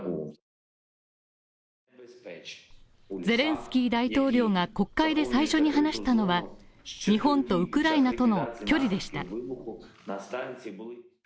ゼレンスキー大統領が国会で最初に話したのは日本とウクライナとの距離でした。